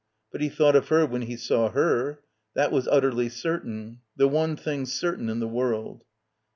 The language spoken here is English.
But he thought of her when he saw her. That was utterly certain; the one thing certain in the world.